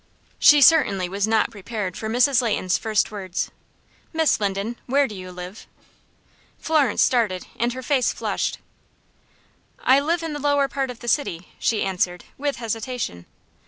She certainly was not prepared for Mrs. Leighton's first words: "Miss Linden, where do you live?" Florence started, and her face flushed. "I live in the lower part of the city," she answered, with hesitation.